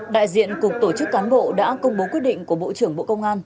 đại diện cục tổ chức cán bộ đã công bố quyết định của bộ trưởng bộ công an